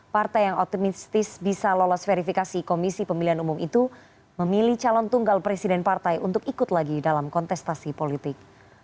partai yang optimistis bisa lolos verifikasi komisi pemilihan umum itu memilih calon tunggal presiden partai untuk ikut lagi dalam kontestasi politik